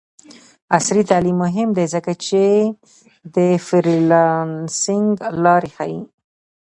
عصري تعلیم مهم دی ځکه چې د فریلانسینګ لارې ښيي.